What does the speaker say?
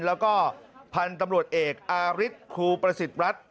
แล้วก็พันธุ์ตำรวจเอกอาริสครูประสิทธิ์รัฐ